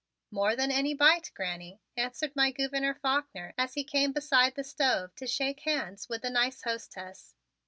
"More than any bite, Granny," answered my Gouverneur Faulkner as he came beside the stove to shake hands with the nice hostess.